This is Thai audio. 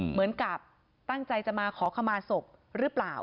เหมือนกับตั้งใจจะมาขอขมาศพหรือเปล่า